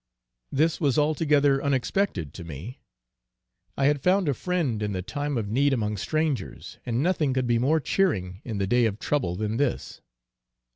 This was altogether unexpected to me: I had found a friend in the time of need among strangers, and nothing could be more cheering in the day of trouble than this.